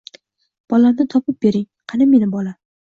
Bolamni topib bering, qani mening bolam